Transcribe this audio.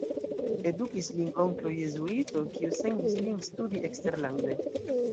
Edukis lin onklo jezuito, kiu sendis lin studi eksterlande.